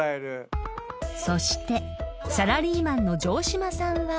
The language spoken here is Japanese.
［そしてサラリーマンの城島さんは］